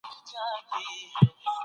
ما د رسا صاحب بیت په کتابچه کي ولیکلو.